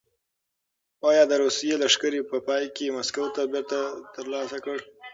ایا د روسیې لښکر په پای کې مسکو بېرته ترلاسه کړ؟